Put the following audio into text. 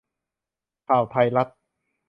ข่าวไทยรัฐ